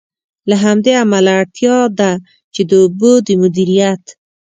له همدې امله، اړتیا ده چې د اوبو د مدیریت.